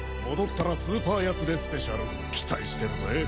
戻ったらスーパーヤツデスペシャル期待してるぜ。